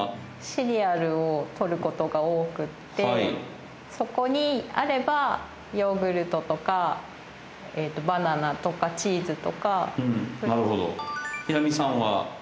シリアルをとることが多くてそこにあればヨーグルトとかバナナとかチーズとかうんなるほど平見さんは？